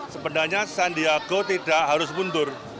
sebenarnya sandiago tidak harus mundur